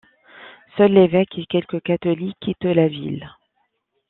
Seuls l'évêque et quelques catholiques quittent la ville.